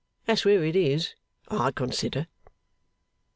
That's where it is, I consider.